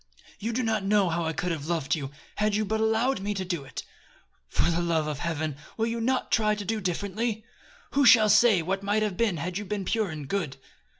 You do not know how I could have loved you, had you but allowed me to do it. For the love of Heaven! will you not try to do differently? Who shall say what might have been had you been pure and good?"